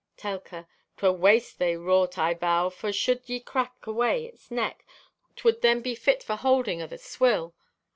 (Telka) "'Twere waste they wrought, I vow, for should ye crack away its neck 'twould then be fit for holding o' the swill.